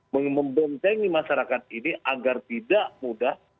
membentengi masyarakat ini agar tidak mudah